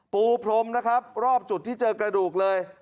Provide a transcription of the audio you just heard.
ปูพรมนะครับรอบจุดที่เจอกระดูกเลย